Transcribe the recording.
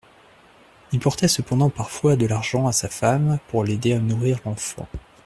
Il portait cependant parfois de l'argent à sa femme pour l'aider à nourrir l'enfant.